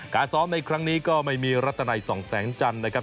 การซ้อมในครั้งนี้ก็ไม่มีรัตนัยส่องแสงจันทร์นะครับ